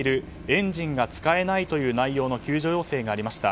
エンジンが使えないという救助要請がありました。